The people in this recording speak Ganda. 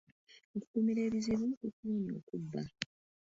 Okugumira ebizibu kukuwonya okubba.